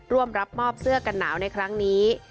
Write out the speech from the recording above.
ร่วมรับมอบเสื้อกันหนาวในครั้งนี้